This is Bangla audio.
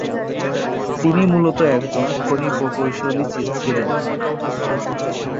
তিনি মূলত একজন খনি প্রকৌশলী ছিলেন।